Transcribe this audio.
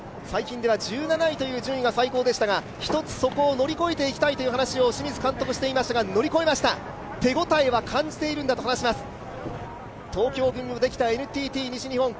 最近では１７位という順位が最高でしたが、１つそこを乗り越えていきたいという話を清水監督は話していましたが、手応えは感じているんだと話します。